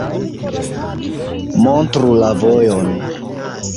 Montru la vojon.